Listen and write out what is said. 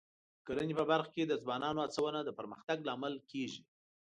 د کرنې په برخه کې د ځوانانو هڅونه د پرمختګ لامل کېږي.